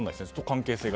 関係性が。